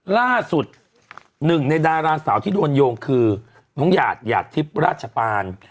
ล่าสุดหนึ่งในดาราสาวที่โดนโยงคือน้องหยาดหยาดทิพย์ราชปาน